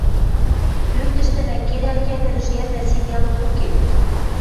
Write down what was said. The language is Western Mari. Пӧртӹштӹнӓ керӓл хӓдӹр-ӹжгӓрнӓ ситӓлык уке.